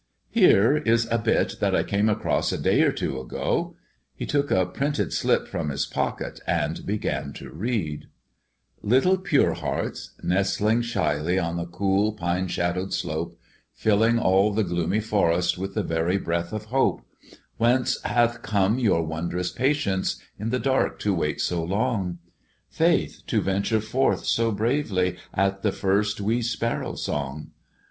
"Here is a bit that I came across a day or two ago." He took a printed slip from his pocket and began to read: "Little pure hearts, nestling shyly On the cool, pine shadowed slope, Filling all the gloomy forest With the very breath of hope, "Whence hath come your wondrous patience, In the dark to wait so long, Faith, to venture forth so bravely At the first wee sparrow song?